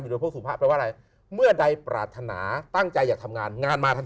เท่าไหร่นะ